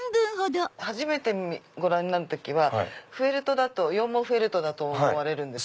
初めてご覧になる時は羊毛フェルトだと思われるんです。